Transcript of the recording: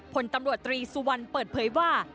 ผลตำรวจตรีสุวรรณเปิดเผยว่า